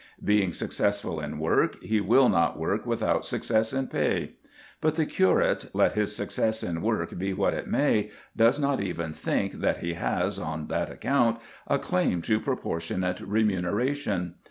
Being successful in work, he will not work without success in pay. But the curate, let his success in work be what it may, does not even think that he has, on that account, a claim to proportionate remuneration.